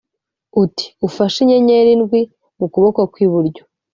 uti “Ufashe inyenyeri ndwi mu kuboko kw’iburyo,